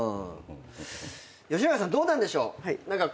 吉永さんどうなんでしょう？